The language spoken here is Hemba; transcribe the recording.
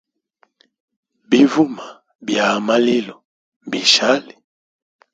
Bivuma bya a malilo mbishali.